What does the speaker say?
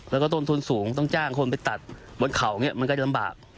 แล้วก็ต้นทุนสูงต้องจ้างคนไปตัดบนเขาอย่างนี้มันก็จะลำบาก